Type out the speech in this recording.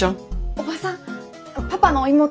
叔母さんパパの妹。